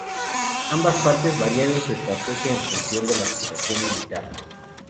Ambas partes variaron su estrategia en función de la situación militar.